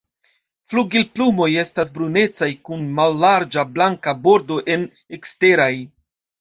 Flugilplumoj estas brunecaj kun mallarĝa blanka bordo en eksteraj.